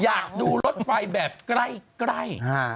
อยากดูรถไฟแบบใกล้